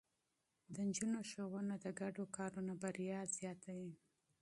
د نجونو ښوونه د ګډو کارونو بريا زياتوي.